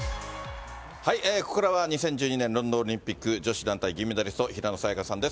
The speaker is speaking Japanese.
ここからは２０１２年ロンドンオリンピック女子団体銀メダリスト、平野早矢香さんです。